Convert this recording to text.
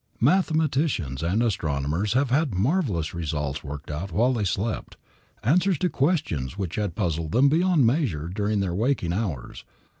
Mathematicians and astronomers have had marvelous results worked out while they slept, answers to questions which had puzzled them beyond measure during their waking hours.